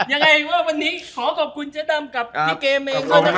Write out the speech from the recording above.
อย่างไรว่าวันนี้ขอขอบคุณเจ๊ดำกับพี่เกมเอง